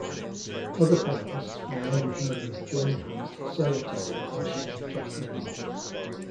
Other panellists were Andy Burnham, Jeremy Hunt, Sarah Teather and Shami Chakrabarti.